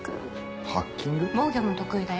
防御も得意だよ